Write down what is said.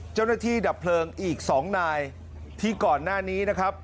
เจ้าหน้าที่ดับเพลิงอีก๒นายที่ก่อนหน้านี้นะครับ